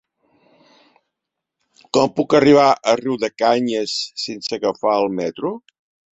Com puc arribar a Riudecanyes sense agafar el metro?